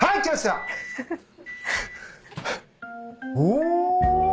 お！